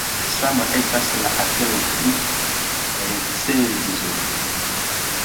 Sama estas la afero pri recenzoj.